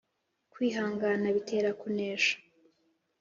Kwihangana bitera kunesha